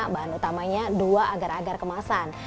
bahan utamanya dua agar agar kemasan